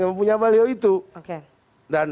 yang punya baliho itu dan